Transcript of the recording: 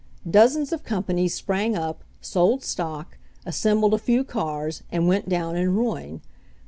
Dozens of companies sprang up, sold stock, assembled a few cars, and went down in ruin.